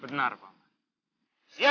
jangan menggoda saya